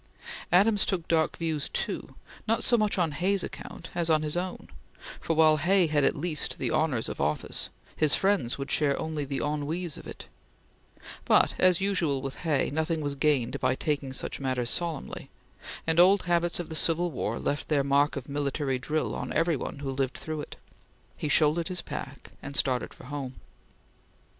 Adams took dark views, too, not so much on Hay's account as on his own, for, while Hay had at least the honors of office, his friends would share only the ennuis of it; but, as usual with Hay, nothing was gained by taking such matters solemnly, and old habits of the Civil War left their mark of military drill on every one who lived through it. He shouldered his pack and started for home.